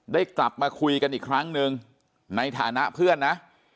ได้กลับมาคุยกันอีกครั้งหนึ่งในฐานะเพื่อนนะ